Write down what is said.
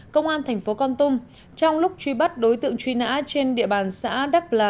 công an thành phố con tum trong lúc truy bắt đối tượng truy nã trên địa bàn xã đắc lá